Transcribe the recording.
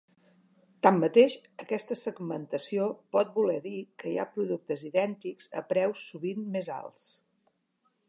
Tanmateix, aquesta segmentació pot voler dir que hi ha productes idèntics a preus sovint més alts.